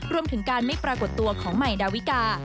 รวมถึงการไม่ปรากฏตัวของใหม่ดาวิกา